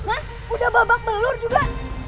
hah udah babak telur juga